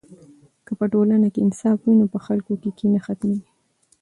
که په ټولنه کې انصاف وي نو په خلکو کې کینه ختمېږي.